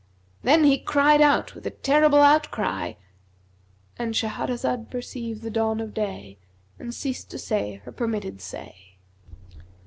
Then he cried out with a terrible outcry"—And Shahrazad perceived the dawn of day and ceased to say her permitted say.